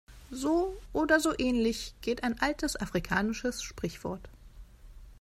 So oder so ähnlich geht ein altes afrikanisches Sprichwort.